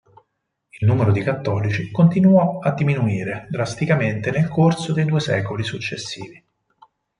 Il numero dei cattolici continuò a diminuire drasticamente nel corso dei due secoli successivi.